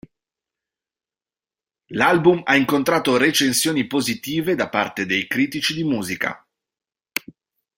L'album ha incontrato recensioni positive da parte dei critici di musica.